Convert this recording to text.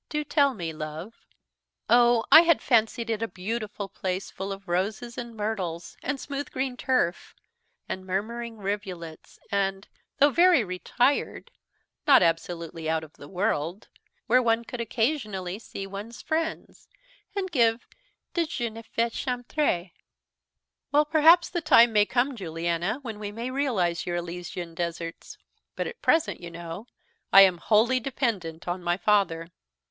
"Do tell me, love." "Oh! I had fancied it a beautiful place, full of roses and myrtles, and smooth green turf, and murmuring rivulets, and, though very retired, not absolutely out of the world; where one could occasionally see one's friends, and give dejeunés et fêtes champêtres." "Well, perhaps the time may come, Juliana, when we may realise your Elysian deserts; but at present, you know, I am wholly dependent on my father.